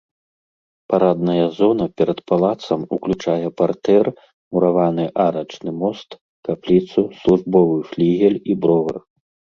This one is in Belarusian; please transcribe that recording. Парадная зона перад палацам уключае партэр, мураваны арачны мост, капліцу, службовы флігель і бровар.